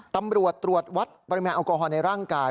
ตำรวจตรวจวัดปริมาณแอลกอฮอลในร่างกาย